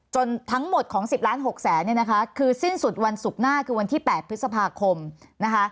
ทั้งหมดของ๑๐ล้าน๖แสนเนี่ยนะคะคือสิ้นสุดวันศุกร์หน้าคือวันที่๘พฤษภาคมนะคะ